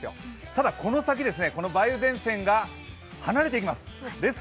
ただ、この先梅雨前線が離れていきます。